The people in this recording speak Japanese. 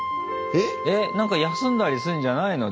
えっなんか休んだりすんじゃないの？